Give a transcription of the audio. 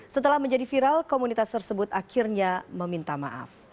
setelah menjadi viral komunitas tersebut akhirnya meminta maaf